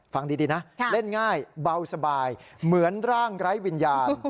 ฟังดีนะเล่นง่ายเบาสบายเหมือนร่างไร้วิญญาณ